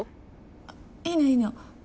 あっいいのいいの。